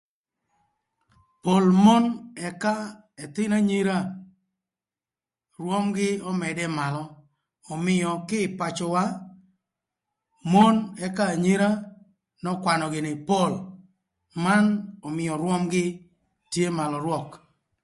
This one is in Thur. Pol mon ëka ëthïn anyira rwömgï ömëdë malö ömïö kï ï pacöwa mon ëka anyira n'ökwanö gïnï pol man ömïö rwömgï tye malö rwök.